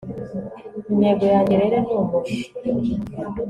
Intego yanjye rero ni umuja